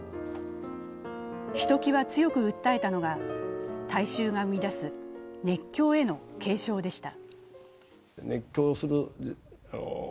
ひときわ強く訴えたのが大衆が生み出す熱狂への警鐘でした。